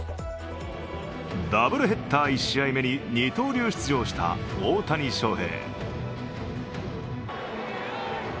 ダブルヘッダー１試合目に二刀流出場した大谷翔平。